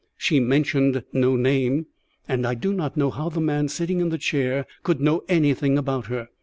She mentioned no name, and I do not know how the man sitting in the chair could know anything about her.